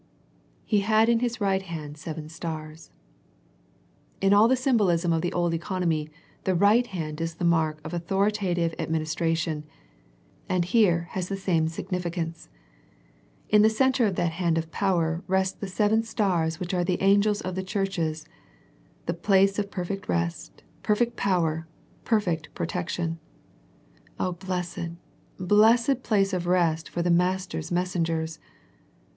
"He had in His right hand seven stars/' In all the symbolism of the old economy, the right hand is the mark of authoritative admin istration, and here has the same significance. In the centre of that hand of power rest the seven stars which are the angels of the churches, the place of perfect rest, perfect power, perfect protection. Oh, blessed, blessed place of rest for the Master's messengers